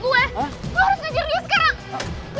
gue harus ngejar dia sekarang